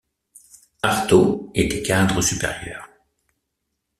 Arto, était cadre supérieur.